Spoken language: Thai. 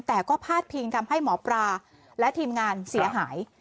แต่ก็พาดพิงทำให้หมอปลาและทีมงานเสียหาย